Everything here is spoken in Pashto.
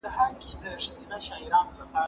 هغه وويل چي پلان جوړول مهم دي؟